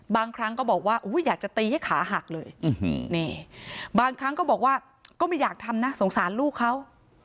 บางครั้งก็บอกว่าอยากจะตีให้ขาหักเลยนี่บางครั้งก็บอกว่าก็ไม่อยากทำนะสงสารลูกเขา